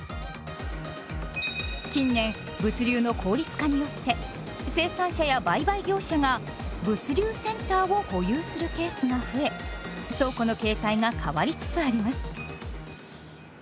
近年物流の効率化によって生産者や売買業者が「物流センター」を保有するケースが増え倉庫の形態が変わりつつあります。